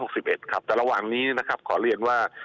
หกสิบเอ็ดครับแต่ระหว่างนี้นะครับขอเรียนว่า